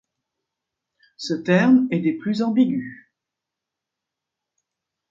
Ce terme est des plus ambigus.